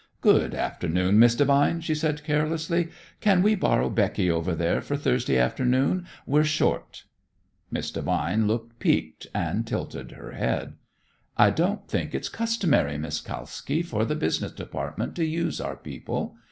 "Good afternoon, Miss Devine," she said carelessly. "Can we borrow Becky over there for Thursday afternoon? We're short." Miss Devine looked piqued and tilted her head. "I don't think it's customary, Miss Kalski, for the business department to use our people.